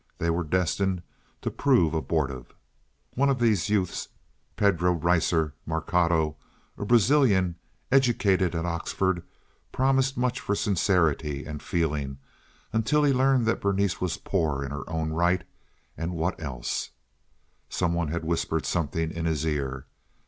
They were destined to prove abortive. One of these youths, Pedro Ricer Marcado, a Brazilian, educated at Oxford, promised much for sincerity and feeling until he learned that Berenice was poor in her own right—and what else? Some one had whispered something in his ear.